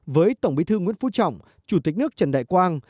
với tổng bí thư nguyễn phú trọng chủ tịch nước trần đại quang